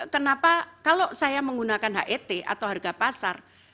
kenapa kalau saya menggunakan het atau harga pasar